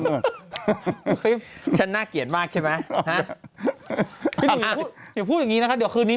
ฉันน่าเกลียดมากใช่ไหมฮะอย่าพูดอย่างงี้นะคะเดี๋ยวคืนนี้